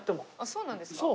そうなんですか？